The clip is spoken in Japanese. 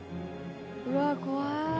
「うわ怖い」